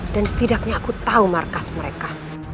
dan setidaknya aku tahu markas mereka